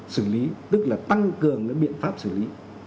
xử lý tức là tăng cường biện pháp xử lý